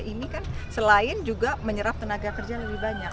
ini kan selain juga menyerap tenaga kerja lebih banyak